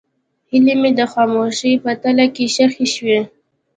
هیلې مې د خاموشۍ په تله کې ښخې شوې.